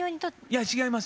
いや違います